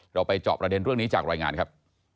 เราไปเจาะประเด็นเรื่องนี้จากรายงานครับ